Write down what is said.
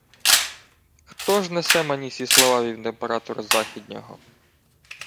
— Хто ж несе мені сі слова від імператора західнього?